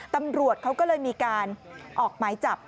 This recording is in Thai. ตำรวจเขาก็เลยมีการออกหมายจับ